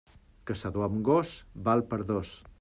Caçador amb gos, val per dos.